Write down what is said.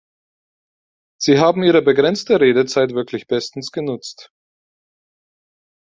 Sie haben Ihre begrenzte Redezeit wirklich bestens genutzt!